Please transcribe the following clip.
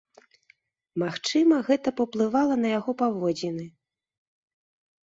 Магчыма, гэта паўплывала на яго паводзіны.